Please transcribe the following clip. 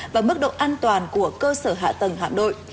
và mức độ an toàn của cơ sở hạ tầng hạm đội